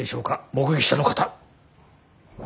目撃者の方。